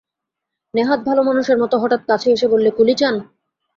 নেহাত ভালোমানুষের মতো হঠাৎ কাছে এসে বললে, কুলি চান?